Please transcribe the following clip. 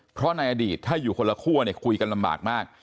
เพราะในอดีตถ้าอยู่คนละคั่วเนี่ยคุยกันลำบากมาก